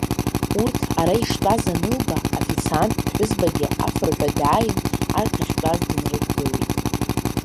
Урҭ ара иштәаз анылба, афицинат ԥҳәызбагьы, афырҳәа, дааин, арҭ ахьтәаз, дынрыдгылеит.